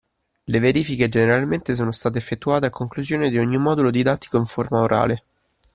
Le verifiche generalmente sono state effettuate a conclusione di ogni modulo didattico in forma orale